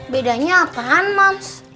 bedanya apaan mams